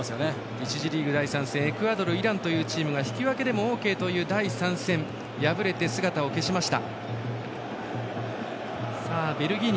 １次リーグ第３戦エクアドル、イランがチームが引き分けでもオーケーという第３戦、敗れて姿を消しました。